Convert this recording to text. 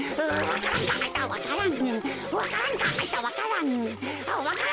うわ！